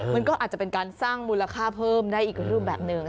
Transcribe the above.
มันก็อาจจะเป็นการสร้างมูลค่าเพิ่มได้อีกรูปแบบหนึ่ง